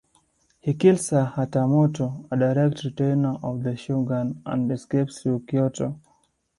He kills a "Hatamoto", a direct retainer of the shogun and escapes to Kyoto.